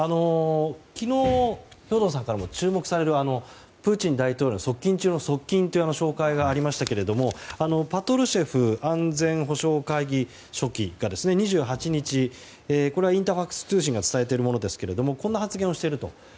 昨日、兵頭さんからも注目されるプーチン大統領の側近中の側近という紹介がありましたがパトルシェフ安全保障会議書記が２８日、インタファクス通信が伝えているものですがこんな発言をしていると。